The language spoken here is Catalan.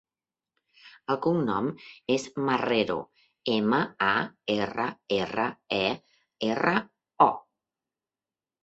El cognom és Marrero: ema, a, erra, erra, e, erra, o.